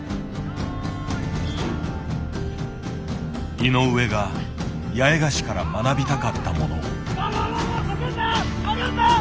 井上が八重樫から学びたかったもの。